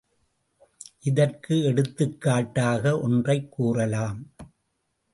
இதற்கு எடுத்துக்காட்டாக ஒன்றைக் கூறலாம்.